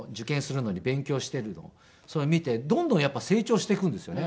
それを見てどんどんやっぱり成長していくんですよね。